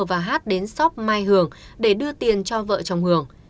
và hát đến sóc mai hường để đưa tiền cho vợ chồng hường